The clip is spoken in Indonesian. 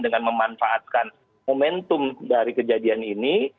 dengan memanfaatkan momentum dari kejadian ini